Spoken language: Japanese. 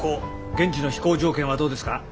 現地の飛行条件はどうですか？